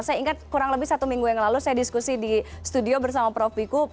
saya ingat kurang lebih satu minggu yang lalu saya diskusi di studio bersama prof pikup